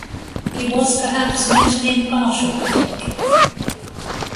He was perhaps not an impartial critic.